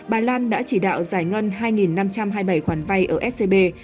bà lan đã chỉ đạo giải ngân hai năm trăm hai mươi bảy khoản vay ở scb